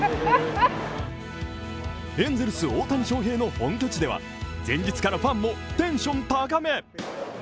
エンゼルス・大谷翔平の本拠地では前日からファンもテンション高め！